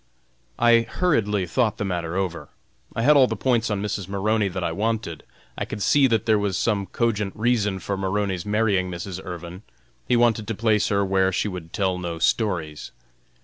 I hurriedly thought the matter over. I had all the points on Mrs. Maroney that I wanted. I could see that there was some cogent reason for Maroney's marrying Mrs. Irvin. He wanted to place her where she would tell no stories.